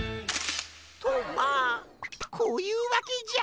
とまあこういうわけじゃ。